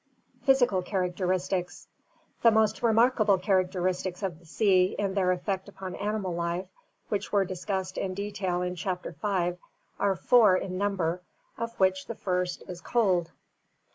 Physical Characteristics. — The most remarkable characteristics of the sea in their effect upon animal life, which were discussed in detail in Chapter V, are four in number, of which the first is cold.